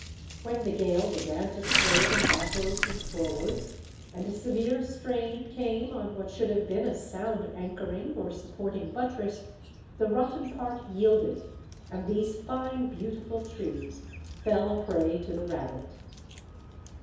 When the gale began to sway them backwards and forwards and a severe strain came on what should have been a sound anchoring or supporting buttress, the rotten part yielded, and these fine, beautiful trees fell a prey to the rabbit.